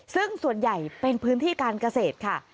ซึ่งส่วนใหญ่เป็นพื้นที่การเกษตรค่ะ